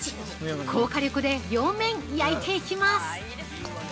高火力で両面焼いていきます。